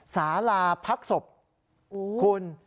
สาราพักศพคุณ